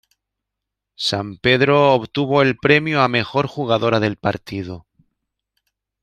Sampedro obtuvo el premio a mejor jugadora del partido.